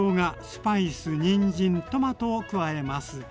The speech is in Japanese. スパイスにんじんトマトを加えます。